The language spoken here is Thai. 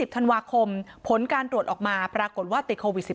ธันวาคมผลการตรวจออกมาปรากฏว่าติดโควิด๑๙